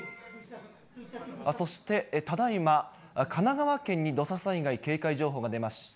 そしてただ今、神奈川県に土砂災害警戒情報が出ました。